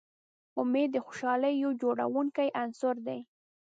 امید د خوشحالۍ یو جوړوونکی عنصر دی.